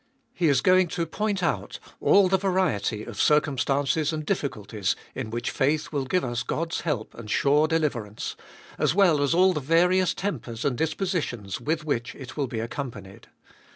He is going to point out all the variety of circumstances and difficulties in which faith will give us God's help and sure deliverance, as well as all the various tempers and dispositions with which it will be accompanied.